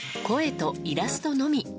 声とイラストのみ。